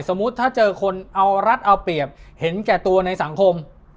สมมุติถ้าเจอคนเอารัฐเอาเปรียบเห็นแก่ตัวในสังคม